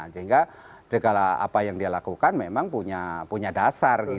sehingga segala apa yang dia lakukan memang punya dasar